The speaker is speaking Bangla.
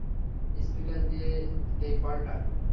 স্পিকারে দিয়ে দেই কলটা।